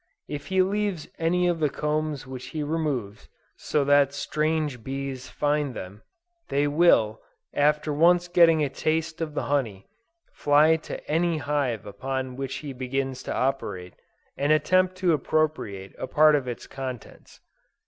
If he leaves any of the combs which he removes, so that strange bees find them, they will, after once getting a taste of the honey, fly to any hive upon which he begins to operate, and attempt to appropriate a part of its contents.